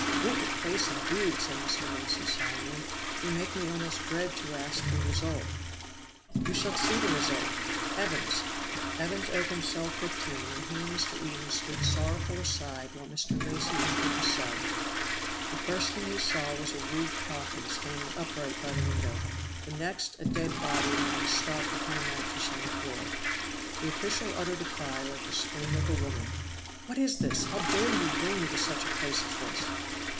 "Wicked place, indeed!" said Mr. Lacy solemnly. "You make me almost dread to ask the result." "You shall see the result. Evans!" Evans opened cell 15, and he and Mr. Eden stood sorrowful aside while Mr. Lacy entered the cell. The first thing he saw was a rude coffin standing upright by the window, the next a dead body lying stark upon a mattress on the floor. The official uttered a cry like the scream of a woman! "What is this? How dare you bring me to such a place as this?"